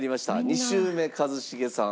２周目一茂さん。